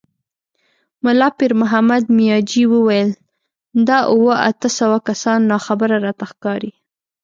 ملا پيرمحمد مياجي وويل: دا اووه، اته سوه کسان ناخبره راته ښکاري.